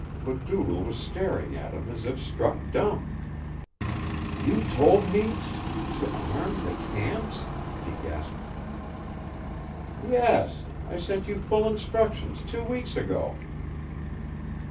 MacDougall was staring at him as if struck dumb. "You told me to arm the camps?" he gasped. "Yes, I sent you full instructions two weeks ago."